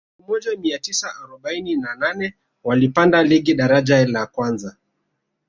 elfu moja mia tisa arobaini na nane walipanda ligi daraja la kwanza